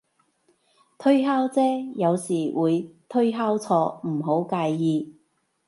推敲啫，有時會推敲錯，唔好介意